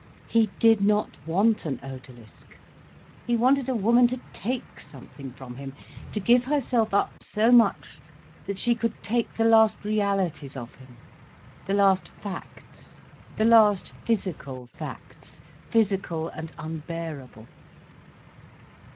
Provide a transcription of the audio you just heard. He did not want an odalisk. He wanted a woman to take something from him, to give herself up so much that she could take the last realities of him, the last facts, the last physical facts, physical and unbearable.